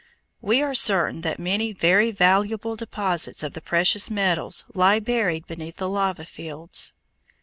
We are certain that many very valuable deposits of the precious metals lie buried beneath the lava fields.